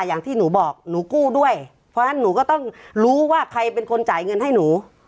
อย่างที่หนูบอกหนูกู้ด้วยเพราะฉะนั้นหนูก็ต้องรู้ว่าใครเป็นคนจ่ายเงินให้หนู